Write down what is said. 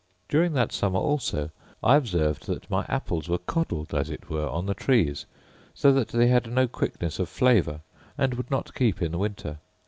During that summer also, I observed that my apples were coddled, as it were, on the trees; so that they had no quickness of flavour, and would not keep in the winter.